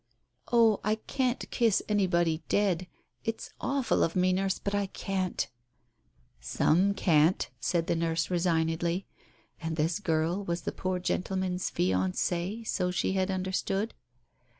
"Oh, I can't kiss anybody dead. ... It's awful of me, Nurse, but I can't !" "Some can't! " said the nurse resignedly. And this girl was the poor gentleman's fiancee, so she had understood?